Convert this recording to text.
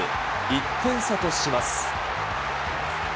１点差とします。